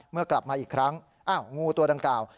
เมื่อกลับมาอีกครั้งอ้าวงูตัวดังกล่าว